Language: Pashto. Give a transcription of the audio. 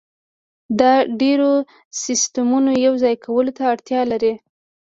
دا د ډیرو سیستمونو یوځای کولو ته اړتیا لري